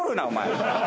お前。